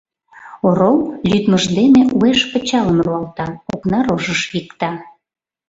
Орол лӱдмыж дене уэш пычалым руалта, окна рожыш викта: